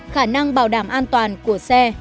khả năng bảo đảm an toàn của xe